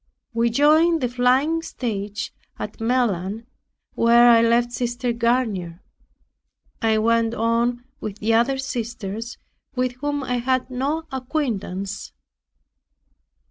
We joined the flying stage at Melun where I left Sister Garnier. I went on with the other sisters with whom I had no acquaintance.